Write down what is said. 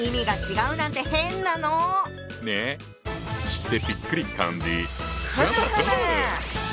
知ってびっくり！